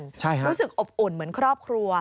รู้สึกอบอุ่นเหมือนครอบครัว